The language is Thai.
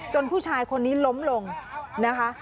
ผู้ชายคนนี้ล้มลงนะคะ